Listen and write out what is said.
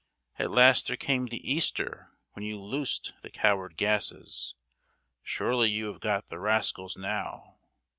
At last there came the Easter when you loosed the coward gases, Surely you have got the rascals now!